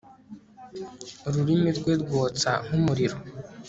ururimi rwe rwotsa nk'umuriro